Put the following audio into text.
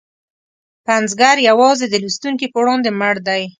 پنځګر یوازې د لوستونکي په وړاندې مړ دی.